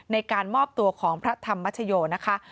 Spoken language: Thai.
ในการมอบตัวของพระธรรมชโยนะคะ